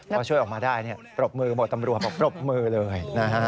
พอช่วยออกมาได้ปรบมือหมดตำรวจบอกปรบมือเลยนะฮะ